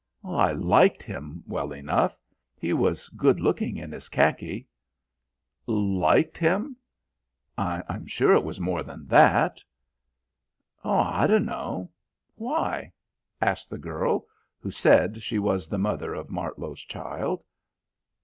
"I liked him well enough. He was good looking in his khaki." "Liked him? I'm sure it was more than that." "Oh, I dunno. Why?" asked the girl, who said she was the mother of Martlow's child.